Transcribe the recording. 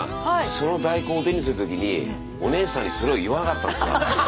その大根をおでんにする時にお姉さんにそれを言わなかったんですか？